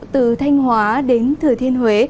từ thanh hóa đến thừa thiên huế